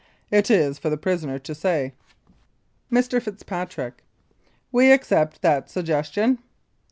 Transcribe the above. It is for the prisoner to say. Mr. FITZPATRICK: We accept that suggestion.